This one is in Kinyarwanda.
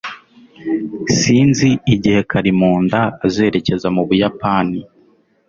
Sinzi igihe Karimunda azerekeza mu Buyapani